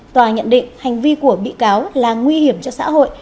tòa nhận định hành vi của bị cáo là nguy hiểm cho xã hội